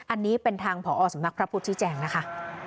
อันนี้เป็นทางผอสำนักพระพุทธชี้แจงนะคะ